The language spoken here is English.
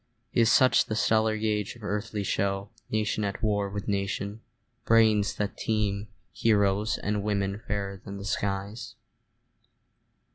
Is such the stellar gauge of earthly show, Nation at war with nation, brains that teem, Heroes, and women fairer than the skies?